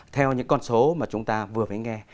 theo những con số mà chúng ta vừa mới nghe